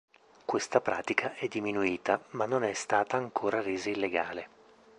Questa pratica è diminuita, ma non è stata ancora resa illegale.